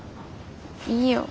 いいよ。